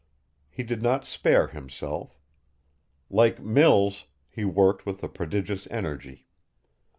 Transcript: He did not spare himself. Like Mills, he worked with a prodigious energy.